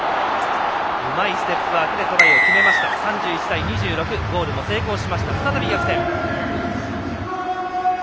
うまいステップワークでトライを決めて３１対２６ゴールも成功して再び逆転。